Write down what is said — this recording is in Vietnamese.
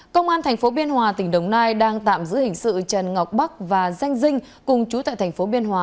công an tp biên hòa tỉnh đồng nai đang tạm giữ hình sự trần ngọc bắc và danh dinh cùng chú tại tp biên hòa